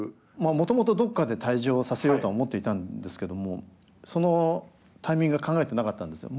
もともとどっかで退場させようとは思っていたんですけどもそのタイミングは考えてなかったんですよ。